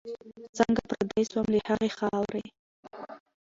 څنګه پردی سوم له هغي خاوري